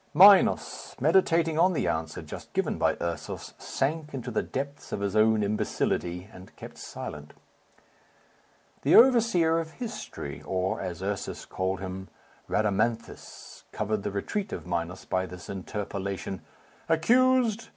Minos, meditating on the answer just given by Ursus, sank into the depths of his own imbecility, and kept silent. The overseer of history, or, as Ursus called him, Rhadamanthus, covered the retreat of Minos by this interpolation, "Accused!